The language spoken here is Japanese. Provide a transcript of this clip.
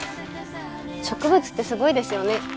植物ってすごいですよね。